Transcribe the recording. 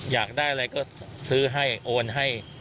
อยากได้อะไรก็ซื้อให้โอนให้